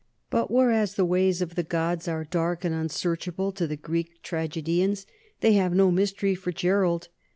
But whereas the ways of the gods are dark and un searchable to the Greek tragedians, they have no mys tery for Gerald.